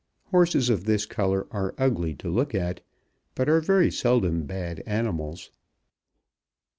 Horses of this colour are ugly to look at, but are very seldom bad animals.